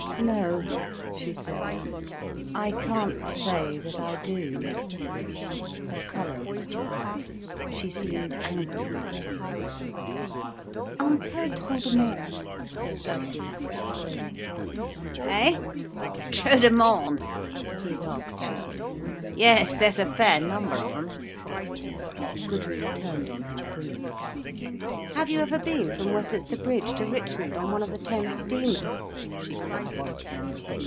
"No," she said. "I can't say that I do." Her colour was high, she seemed angry about something. "Un peu trop de monde," said Ursula, explaining. "Eh? Trop de monde!" He laughed shortly. "Yes there's a fair number of 'em." Gudrun turned on him brilliantly. "Have you ever been from Westminster Bridge to Richmond on one of the Thames steamers?" she cried.